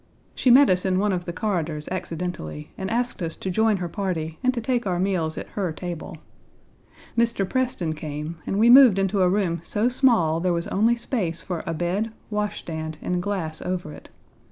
She met us in one of the corridors accidentally, and asked us to join her party and to take our meals at her table. Mr. Preston came, and we moved into a room so small there was only space for a bed, wash stand, and glass over it.